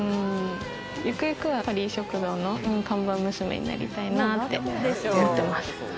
ゆくゆくはパリー食堂の看板娘になりたいなって思ってます。